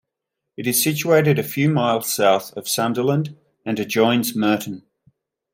It is situated a few miles south of Sunderland, and adjoins Murton.